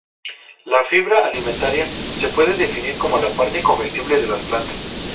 La fibra alimentaria se puede definir como la parte comestible de las plantas.